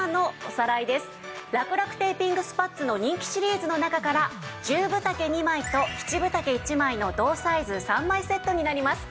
らくらくテーピングスパッツの人気シリーズの中から１０分丈２枚と７分丈１枚の同サイズ３枚セットになります。